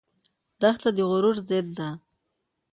دښته د غرور ضد ده.